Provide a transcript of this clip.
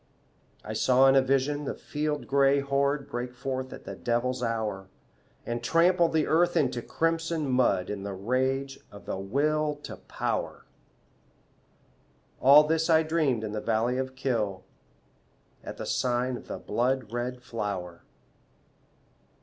I saw in a vision the field gray horde Break forth at the devil's hour, And trample the earth into crimson mud In the rage of the Will to Power, All this I dreamed in the valley of Kyll, At the sign of the blood red flower.